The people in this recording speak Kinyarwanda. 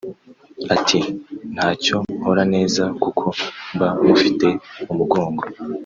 Ati “ Ntacyo nkora neza kuko mba mufite mu mugongo